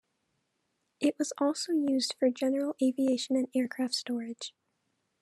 It was also used for general aviation and aircraft storage.